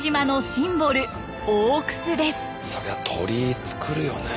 そりゃ鳥居つくるよね。